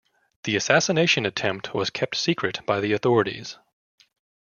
The assassination attempt was kept secret by the authorities.